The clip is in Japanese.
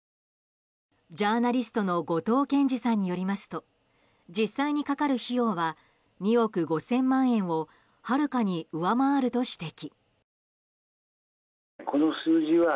ジャーナリストの後藤謙次さんによりますと実際にかかる費用は２億５０００万円をはるかに上回ると指摘。